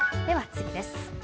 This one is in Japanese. では次です。